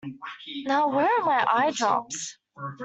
Now, where are my eyedrops?